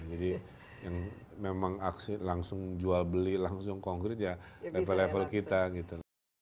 jadi yang memang langsung jual beli langsung konkret ya level level kita gitu